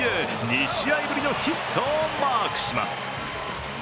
２試合ぶりのヒットをマークします。